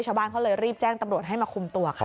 ชาวบ้านเขาเลยรีบแจ้งตำรวจให้มาคุมตัวค่ะ